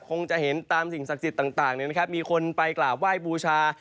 คงจะเห็นตามสิ่งศักดิ์สิทธิ์ต่างเนี่ยนะครับมีคนไปกล่าวไหว้บูชา